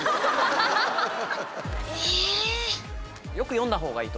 え？